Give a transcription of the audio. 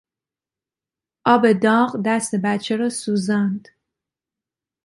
آب داغ دست بچه را سوزاند.